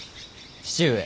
父上。